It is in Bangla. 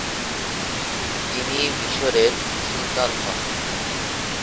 তিনি মিশরের সুলতান হন।